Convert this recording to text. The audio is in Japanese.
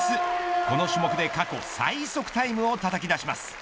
この種目で過去最速タイムをたたき出します。